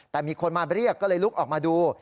แต่มีคนมาเรียกก็เลยลุกออกมาดู